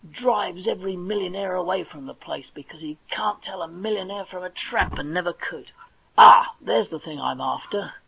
Drives every mil lionaire away from this place, because he can't tell a millionaire from a tramp, and never could. All, here's the thing I'm after.